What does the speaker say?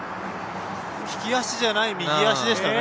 利き足じゃない右足でしたね。